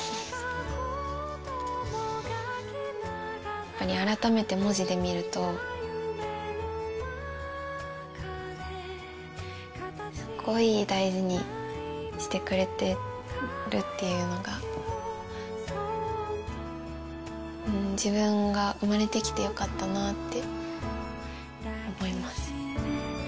やっぱり改めて文字で見ると、すごい大事にしてくれてるっていうのが、自分が生まれてきてよかったなって思います。